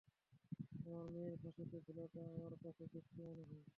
আমার মেয়ের ফাঁসিতে ঝুলাটা আপনার কাছে দুষ্টু মনে হয়?